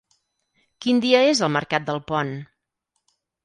Quin dia és el mercat d'Alpont?